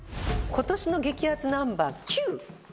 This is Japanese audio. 「今年の激アツナンバー９」